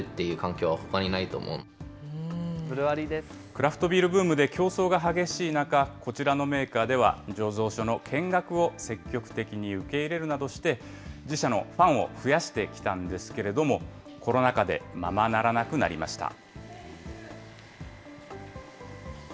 クラフトビールブームで競争が激しい中、こちらのメーカーでは醸造所の見学を積極的に受け入れるなどして、自社のファンを増やしてきたんですけれども、コロナ禍でままならなくなりました。